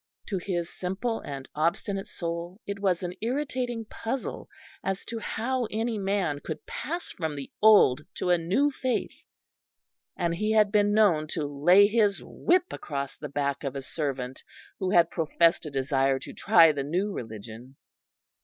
To his simple and obstinate soul it was an irritating puzzle as to how any man could pass from the old to a new faith, and he had been known to lay his whip across the back of a servant who had professed a desire to try the new religion.